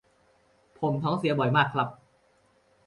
ผมท้องเสียบ่อยมากครับ